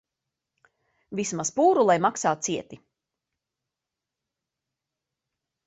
Vismaz pūru lai maksā cieti.